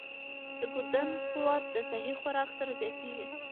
د بدن قوت د صحي خوراک سره زیاتېږي.